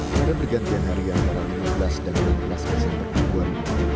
pada pergantian hari antara lima belas dan dua belas desember dua ribu dua puluh